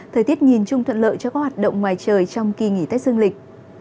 thời tiết nhìn chung thuận lợi cho các hoạt động ngoài trời trong kỳ nghỉ tết dương lịch